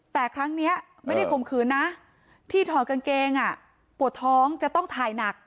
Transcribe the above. แต่ครั้งนี้ไม่ได้ข่มขืนนะที่ถอดกางเกงปวดท้องจะต้องถ่ายหนัก